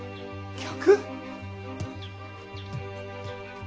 客？